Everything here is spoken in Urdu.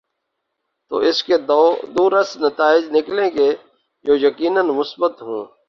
تو اس کے دوررس نتائج نکلیں گے جو یقینا مثبت ہوں۔